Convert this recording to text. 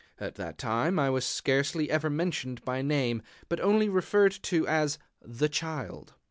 (At that time I was scarcely ever mentioned by name, but only referred to as "the Child.")